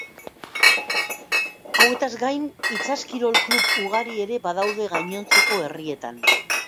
Hauetaz gain itsas-kirol klub ugari ere badaude gainontzeko herrietan.